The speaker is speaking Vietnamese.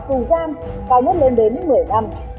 tù giam cao nhất lên đến một mươi năm